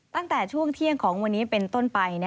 ตั้งแต่ช่วงเที่ยงของวันนี้เป็นต้นไป